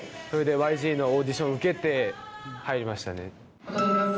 それでＹＧのオーディションを受けて入りましたね。